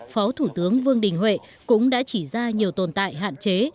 phó thủ tướng vương đình huệ cũng đã chỉ ra nhiều tồn tại hạn chế